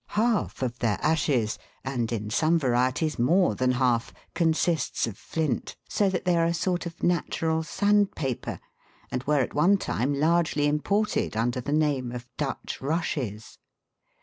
Half of their ashes, and in some varieties more than half, consists of flint, so that they are a sort of natural sand paper, and were at one time largely imported under the name of " Dutch rushes."